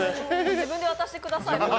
自分で渡してください。